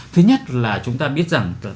thứ nhất là chúng ta biết rằng